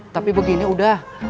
tapi begini udah